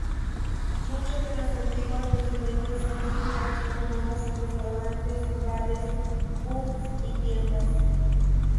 Muchas de las antiguas residencias han sido transformadas en restaurantes, bares, pubs y tiendas.